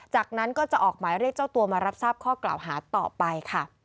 จากนั้นก็จะออกหมายเรียกเจ้าตัวมารับทราบข้อกล่าวหาต่อไปค่ะ